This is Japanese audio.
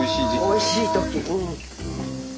おいしい時うん。